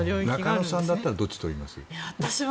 中野さんならどっち取ります？